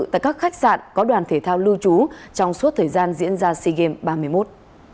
tại các khách sạn có đoàn thể thao lưu trú trong suốt thời gian diễn ra sea games ba mươi một